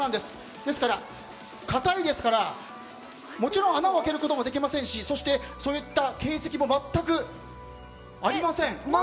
ですから、硬いですからもちろん穴を開けることもできませんしそういった形跡もまったくありません。